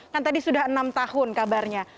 kan tadi sudah enam tahun kabarnya